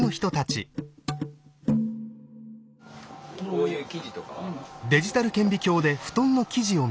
こういう生地とかは？